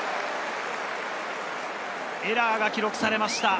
エラーが記録されました。